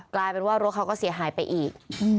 กลายเป็นว่ารถเขาก็เสียหายไปอีก